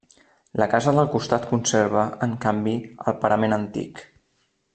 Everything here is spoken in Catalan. La casa del costat conserva, en canvi, el parament antic.